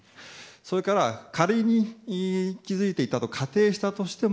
それから、仮に気づいていたと仮定したとしても